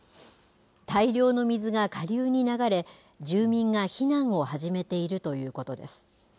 大量の水が下流に流れ、住民が避難を始めているということです。